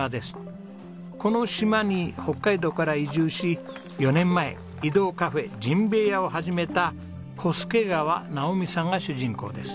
この島に北海道から移住し４年前移動カフェじんべいやを始めた小助川直己さんが主人公です。